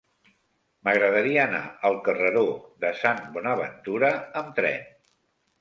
M'agradaria anar al carreró de Sant Bonaventura amb tren.